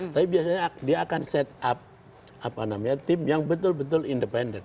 tapi biasanya dia akan set up apa namanya tim yang betul betul independent